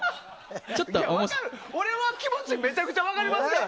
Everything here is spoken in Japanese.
俺は気持ちめちゃくちゃ分かりますからね。